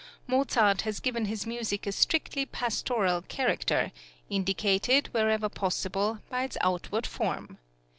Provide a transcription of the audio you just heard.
Mozart has given his music a strictly pastoral character, indicated, wherever possible, by its outward form.